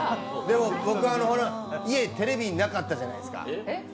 僕、家にテレビなかったじゃないですか。